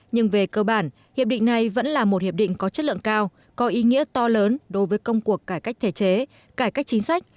nhưng về cơ bản hiệp định này vẫn là một hiệp định có chất lượng cao có ý nghĩa to lớn đối với công cuộc cải cách thể chế cải cách chính sách